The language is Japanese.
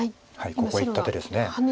ここへいった手です。